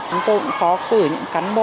chúng tôi cũng có cử những cán bộ